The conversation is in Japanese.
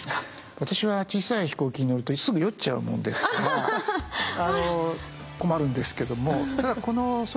私は小さい飛行機に乗るとすぐ酔っちゃうもんですから困るんですけどもただこの空飛ぶクルマ